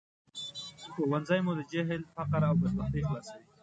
ښوونځی مو له جهل، فقر او بدبختۍ خلاصوي